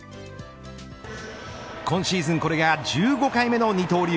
今シーズンこれが１５回目の二刀流。